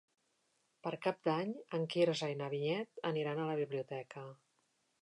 Per Cap d'Any en Quirze i na Vinyet aniran a la biblioteca.